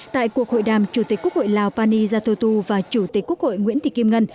tại cuộc hội đàm chủ tịch quốc hội lào pani yathotu và chủ tịch quốc hội nguyễn thị kim ngân